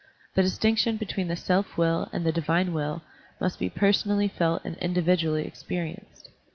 The distinction between the self will and the divine will must be personally felt and individually experienced.